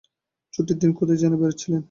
ছুটির দিন, কোথায় যেন বেরুচ্ছিলেন।